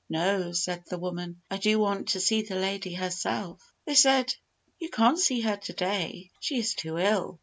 "No," said the woman; "I do want to see the lady herself." They said, "You can't see her to day she is too ill!"